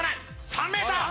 ３ｍ。